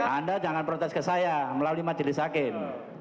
anda jangan protes ke saya melalui majelis hakim